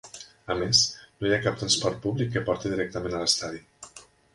A més, no hi ha cap transport públic que porti directament a l'estadi.